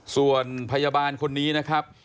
ส่วนพยาบาลคนนี้นะครับ